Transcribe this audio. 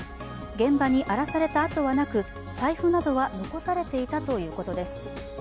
現場に荒らされたあとはなく、財布などは残されていたということです。